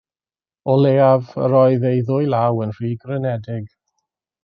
O leiaf, yr oedd ei ddwylaw yn rhy grynedig.